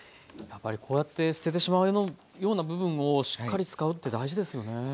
やっぱりこうやって捨ててしまうような部分をしっかり使うって大事ですよね。